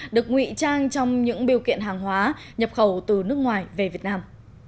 được ngụy trang trong những biêu kiện hàng hóa nhập khẩu từ nước ngoài về việt nam